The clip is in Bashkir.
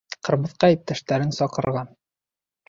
Ҡырмыҫҡа иптәштәрен саҡырған.